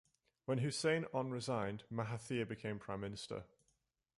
When Hussein Onn resigned, Mahathir became Prime Minister.